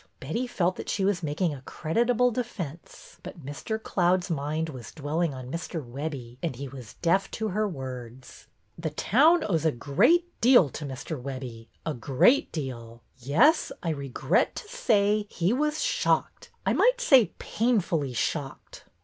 Betty felt that she was making a creditable defence, but Mr. Cloud's mind was dwelling on Mr. Webbie, and he was deaf to her words. The town owes a great deal to Mr. Webbie, a great deal. Yes, I regret to say, he was shocked, I might say painfully shocked."